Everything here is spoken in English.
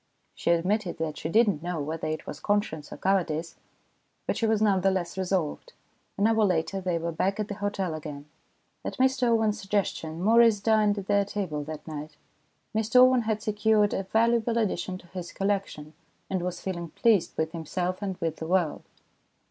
She admitted that she did not know whether it was conscience or cowardice, but she was none the less resolved. An hour later they were back at the hotel again. At Mr Owen's suggestion, Maurice dined at their table that night. Mr Owen had secured a valuable addition to his collection, and was feeling pleased with himself and with the world.